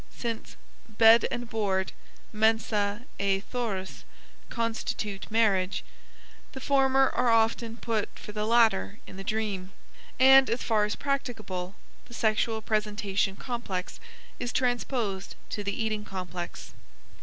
Since "bed and board" (mensa et thorus) constitute marriage, the former are often put for the latter in the dream, and as far as practicable the sexual presentation complex is transposed to the eating complex.